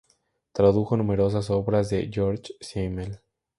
Tradujo numerosas obras de Georg Simmel.